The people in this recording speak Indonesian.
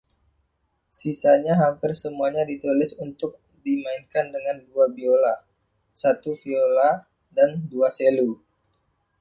Sisanya hampir semuanya ditulis untuk (dimainkan dengan) dua biola, satu viola, dan dua selo.